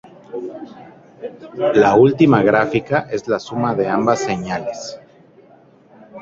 La última gráfica es la suma de ambas señales.